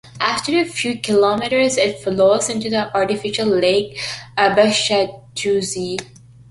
After a few kilometers it flows into the artificial lake Aabachstausee.